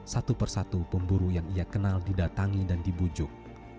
satu persatu pemburu yang ia kenal didatangi dan dibujuk